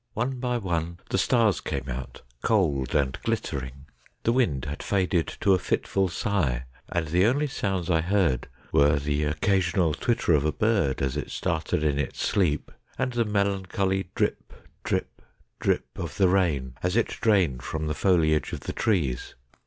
One by one the stars came out, cold and glittering. The wind had faded to a fitful sigh, and the only sounds I heard were the occasional twitter of a bird as it started in its sleep, and the melancholy drip, drip, drip of the rain as it drained from the foliage of the trees.